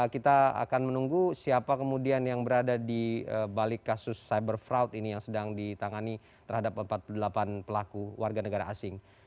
kita akan menunggu siapa kemudian yang berada di balik kasus cyber fraud ini yang sedang ditangani terhadap empat puluh delapan pelaku warga negara asing